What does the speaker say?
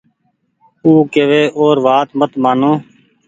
او ڪوي اور وآت مت مآنو